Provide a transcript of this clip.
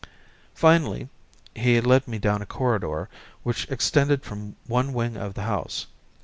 Finally he led me down a corridor which extended from one wing of the house.